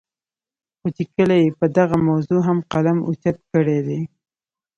خو چې کله ئې پۀ دغه موضوع هم قلم اوچت کړے دے